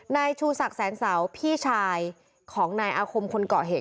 นายชูศักดิแสนเสาพี่ชายของนายอาคมคนเกาะเหตุ